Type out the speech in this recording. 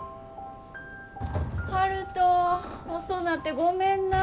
悠人遅なってごめんな。